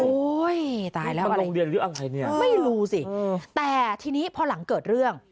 ตายแล้วมันโรงเรียนหรืออะไรเนี่ยไม่รู้สิแต่ทีนี้พอหลังเกิดเรื่อง